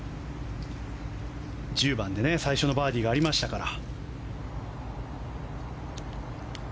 １０番で最初のバーディーがありましたから。